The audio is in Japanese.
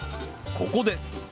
ここで